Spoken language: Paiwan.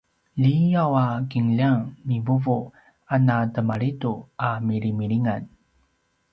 liyaw a kinljang ni vuvu a na temalidu a milimilingan